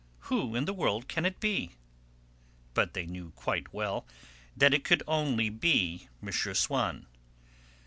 Who in the world can it be?" but they knew quite well that it could only be M. Swann.